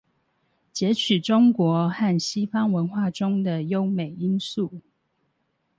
擷取中國和西方文化中的優美因素